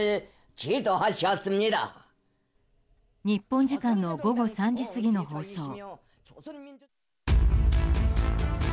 日本時間の午後３時過ぎの放送。